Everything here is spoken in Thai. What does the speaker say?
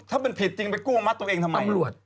ถ้าเป็นผิดจริงไปกู้มัดตัวเองทำไม